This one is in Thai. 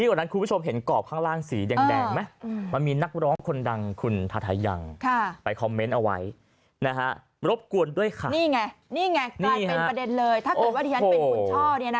กลายเป็นประเด็นเลยถ้าเกิดว่าที่ฉันเป็นคุณชอบเนี้ยน่ะ